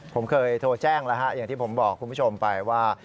ผมเคยโทรแจ้งแล้วฮะอย่างที่ผมบอกคุณผู้ชมไปว่า